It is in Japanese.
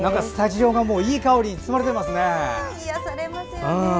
スタジオがいい香りに包まれていますね。